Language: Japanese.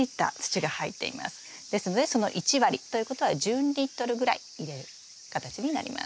ですのでその１割ということは１２リットルぐらい入れる形になります。